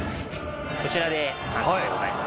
こちらで完成でございます。